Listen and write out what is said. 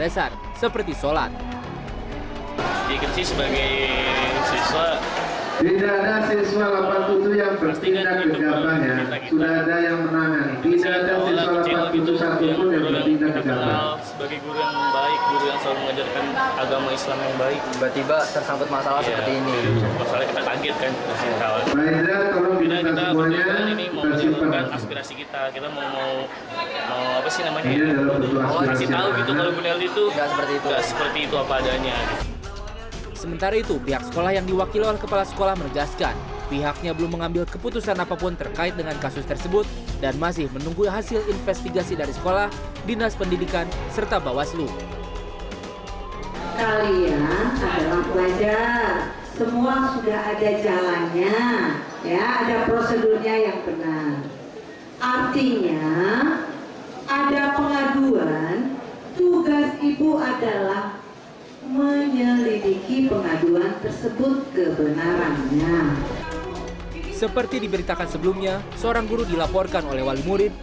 seperti diberitakan sebelumnya seorang guru dilaporkan oleh wali murid